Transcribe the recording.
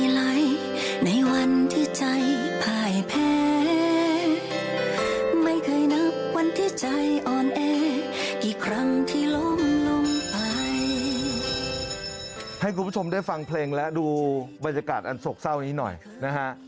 ให้คุณผู้ชมได้ฟังเพลงและดูบรรยากาศอันโศกเศร้านี้หน่อยนะฮะ